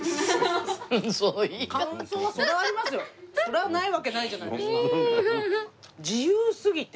そりゃあないわけないじゃないですか。